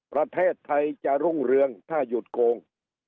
ประเทศไทยจะรุ่งเรืองถ้าหยุดโกง